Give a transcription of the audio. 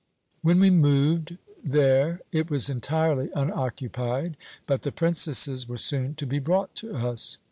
"When we moved there it was entirely unoccupied, but the princesses were soon to be brought to us.